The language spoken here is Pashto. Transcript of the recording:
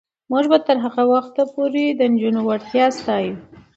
موږ به تر هغه وخته پورې د نجونو وړتیا ستایو.